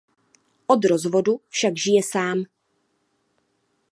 Od rozvodu však žije sám.